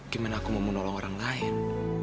gimana aku mau menolong orang lain